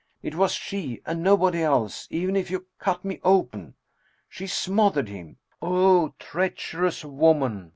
It was she, and nobody else, even if you cut me open. She smothered him! O treacherous woman!